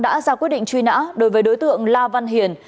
đã ra quyết định truy nã đối với đối tượng la văn hiền